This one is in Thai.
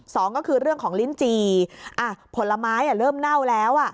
สองก็คือเรื่องของลิ้นจี่อ่ะผลไม้เริ่มเน่าแล้วอ่ะ